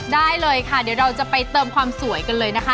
ได้เลยค่ะเดี๋ยวเราจะไปเติมความสวยกันเลยนะคะ